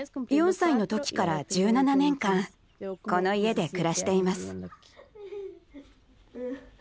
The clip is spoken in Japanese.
４歳の時から１７年間この家で暮らしています。